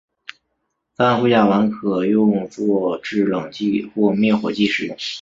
三氟甲烷可用作制冷剂或灭火剂使用。